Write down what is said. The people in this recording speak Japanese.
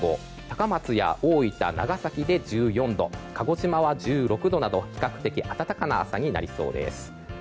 高松や大分、長崎で１４度鹿児島は１６度など比較的暖かな朝になりそうです。